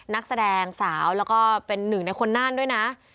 นักแสดงสาวแล้วก็เป็นหนึ่งในคนน่านด้วยนะ